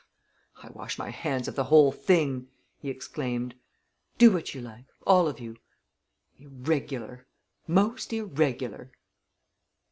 "I wash my hands of the whole thing!" he exclaimed. "Do what you like all of you. Irregular most irregular!"